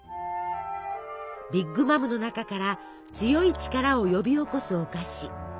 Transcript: ビッグ・マムの中から強い力を呼び起こすお菓子。